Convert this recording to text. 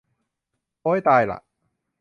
โอ้ย ตายละ